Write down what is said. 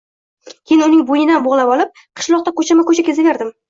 Keyin, uning bo‘ynidan bog‘lavolib, qishloqda ko‘chama-ko‘cha kezaverdim